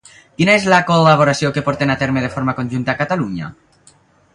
Quina és la col·laboració que porten a terme de forma conjunta a Catalunya?